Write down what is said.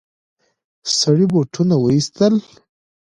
سړي بوټونه وايستل.